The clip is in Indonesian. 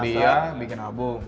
kuliah bikin album